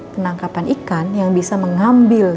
penangkapan ikan yang bisa mengambil